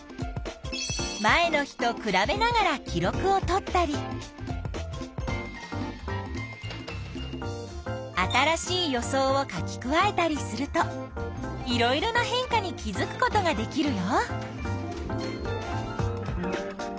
前の日とくらべながら記録をとったり新しい予想を書き加えたりするといろいろな変化に気づくことができるよ。